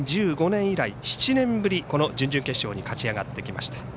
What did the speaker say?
２０１５年以来７年ぶりこの準々決勝に勝ち上がってきました。